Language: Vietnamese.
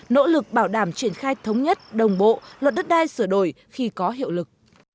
nỗ lực bảo đảm triển khai thống nhất đồng bộ luật đất đai sửa đổi khi có hiệu lực